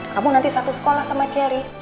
kamu nanti satu sekolah sama cherry